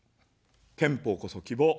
憲法こそ希望。